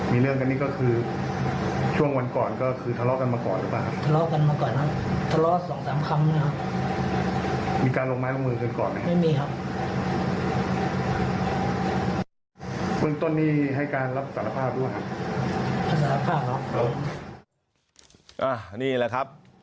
เมืองต้นมีให้การรับศาลภาพด้วยครับ